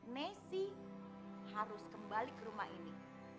nasi harus kembali ke rumah ini